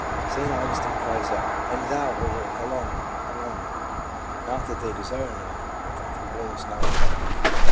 St. Augustine cries out : "And thou, O Lord, how long! how long?" Not that they desire not, but that their will is not effective.